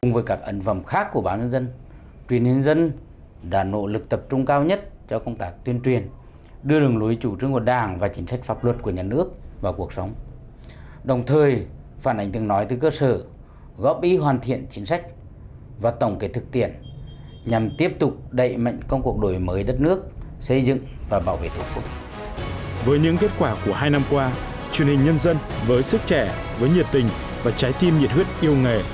với những kết quả của hai năm qua truyền hình nhân dân với sức trẻ với nhiệt tình và trái tim nhiệt huyết yêu nghề